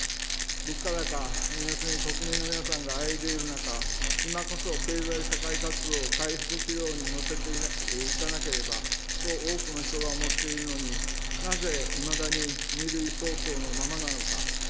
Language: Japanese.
物価高、円安に国民の皆さんがあえいでいる中、今こそ経済社会活動を回復軌道に乗せていかなければと多くの人が思っているのに、なぜいまだに２類相当のままなのか。